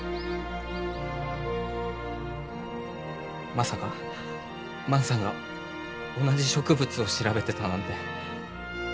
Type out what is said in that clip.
まさか万さんが同じ植物を調べてたなんて。